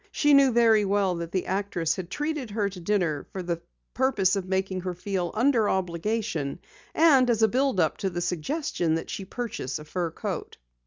She knew very well that the actress had treated her to dinner for the purpose of making her feel under obligation and as a build up to the suggestion that she purchase a fur coat.